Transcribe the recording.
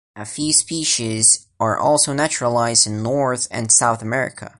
A few species are also naturalized in North and South America.